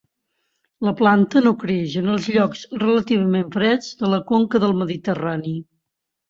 La planta no creix en els llocs relativament freds de la conca del Mediterrani.